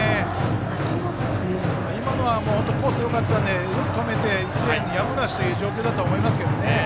今のはコースがよかったのでよく止めて、１点やむなしという状況だと思いますね。